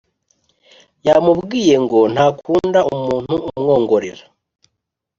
yamubwiye ngo ntakunda umuntu umwongorera